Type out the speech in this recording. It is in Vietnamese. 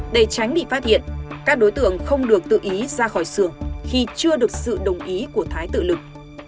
để tránh bị phát hiện các đối tượng không được tự ý ra khỏi xưởng khi chưa được sự đồng ý của thái tự lực